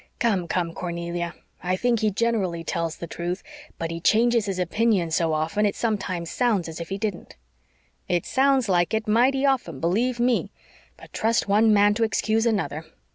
"Come, come, Cornelia, I think he generally tells the truth, but he changes his opinion so often it sometimes sounds as if he didn't." "It sounds like it mighty often, believe ME. But trust one man to excuse another.